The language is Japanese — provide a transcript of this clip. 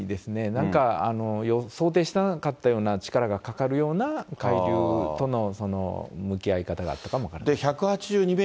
なんか、想定しなかったような力がかかるような海流との向き合い方があったかも分からない。